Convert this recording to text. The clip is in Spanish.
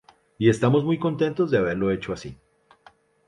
Y estamos muy contentos de haberlo hecho así"".